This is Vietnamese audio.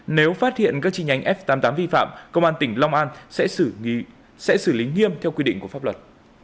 nếu phát hiện các chi nhánh f tám mươi tám vi phạm công an tỉnh long an sẽ xử lý nghiêm theo quy định của pháp luật